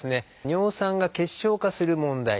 尿酸が結晶化する問題。